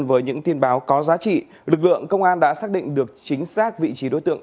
với những tin báo có giá trị lực lượng công an đã xác định được chính xác vị trí đối tượng